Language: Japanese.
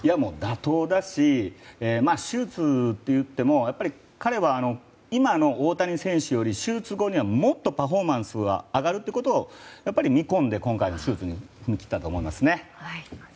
妥当だし、手術といっても彼は、今の大谷選手より手術後にはもっとパフォーマンスが上がるということを見込んで今回の手術に踏み切ったと思いますね。